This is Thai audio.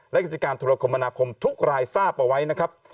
และกิจการธุรคมนาคมทุกรายทราบเอาไว้นะครับ